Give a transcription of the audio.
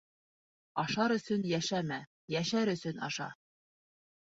Ашар өсөн йәшәмә, йәшәр өсөн аша.